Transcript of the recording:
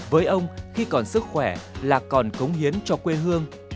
với ông khi còn sức khỏe là còn cống hiến cho quê hương